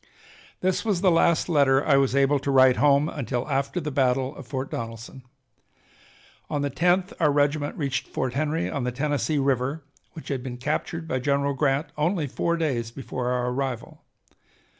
This was the last letter I was able to write home until after the battle of Fort Donelson. On the 10th our regiment reached Fort Henry on the Tennessee River which had been captured by General Grant only four days before our arrival.